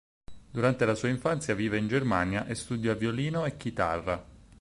Durante la sua infanzia vive in Germania e studia violino e chitarra.